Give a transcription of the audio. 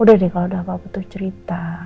udah deh kalau udah apa apa tuh cerita